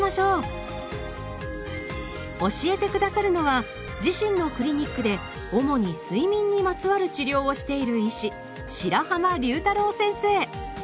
教えて下さるのは自身のクリニックで主に睡眠にまつわる治療をしている医師